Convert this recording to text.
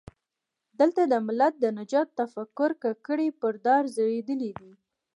دلته د ملت د نجات تفکر ککرۍ پر دار ځړېدلي دي.